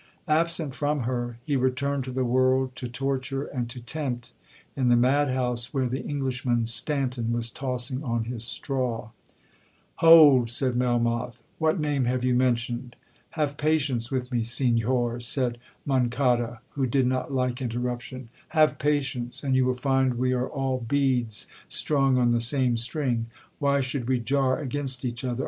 Absent from her, he returned to the world to torture and to tempt in the mad house where the Englishman Stanton was tossing on his straw—' 'Hold!' said Melmoth; 'what name have you mentioned?'—'Have patience with me, Senhor,' said Monçada, who did not like interruption; 'have patience, and you will find we are all beads strung on the same string. Why should we jar against each other?